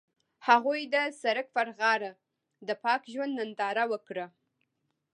هغوی د سړک پر غاړه د پاک ژوند ننداره وکړه.